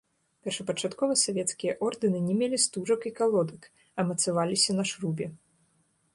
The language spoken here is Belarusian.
Першапачаткова савецкія ордэны не мелі стужак і калодак, а мацаваліся на шрубе.